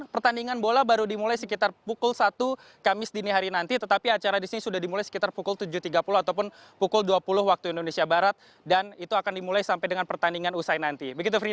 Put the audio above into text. pertandingan bola baru dimulai sekitar pukul satu kamis dini hari nanti tetapi acara di sini sudah dimulai sekitar pukul tujuh tiga puluh ataupun pukul dua puluh waktu indonesia barat dan itu akan dimulai sampai dengan pertandingan usai nanti